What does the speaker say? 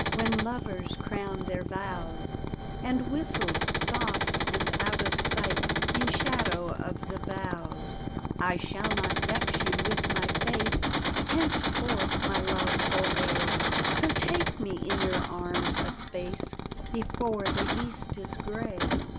When lovers crown their vows, And whistled soft and out of sight In shadow of the boughs. " I shall not vex you with my face Henceforth, my love, for aye; So take me in your arms a space Befoie the east is gray.